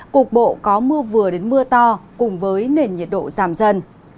cục bộ có mưa vừa đến mưa to cùng với nền nhiệt độ giảm dần